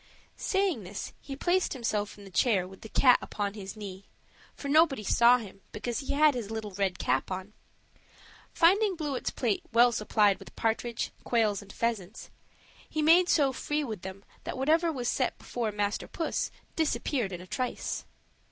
Saying this, he placed himself in the chair with the cat upon his knee, for nobody saw him, because he had his little red cap on; finding Bluet's plate well supplied with partridge, quails, and pheasants, he made so free with them that whatever was set before Master Puss disappeared in a trice.